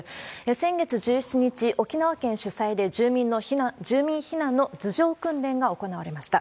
先月１７日、沖縄県主催で住民避難の図上訓練が行われました。